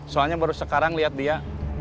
soalnya baru sekarang lihat dia